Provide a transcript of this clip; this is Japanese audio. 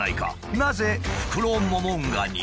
なぜフクロモモンガに？